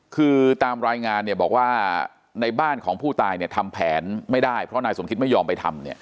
คือตามรายงานเนี่ยบอกว่าในบ้านของผู้ตายเนี่ยทำแผนไม่ได้เพราะนายสมคิตไม่ยอมไปทำ